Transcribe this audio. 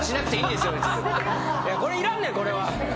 いやこれいらんねんこれは。